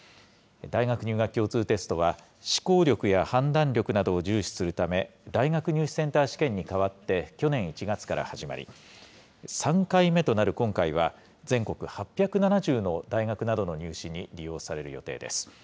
大学入学共通テストは、思考力や判断力などを重視するため、大学入試センター試験に代わって、去年１月から始まり、３回目となる今回は、全国８７０の大学などの入試に利用される予定です。